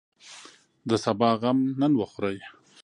د سبا غم نن وخورئ.